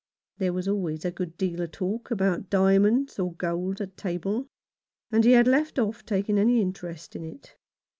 There was always a good deal of talk about diamonds or gold at table, and he had left off taking any interest in it.